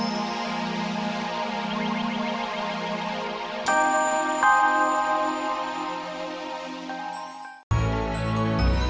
sampai jumpa lagi